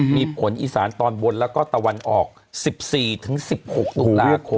มีผลอีสานตอนบนแล้วก็ตะวันออก๑๔๑๖ตุลาคม